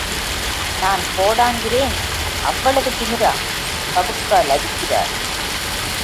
நான் போடாங்கிறேன் அவ்வளவு திமிரா சவுக்கால் அடிக்கிறார்.